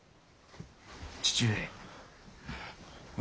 父上！